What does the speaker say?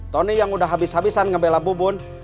tony yang udah habis habisan ngebela bubun